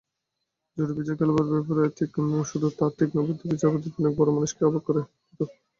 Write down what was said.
জোড়-বিজোড় খেলবার ব্যাপারে তার তীক্ষ্ণ বুদ্ধি ও বিচারপদ্ধতি অনেক বড়মানুষকেও অবাক করে দিত।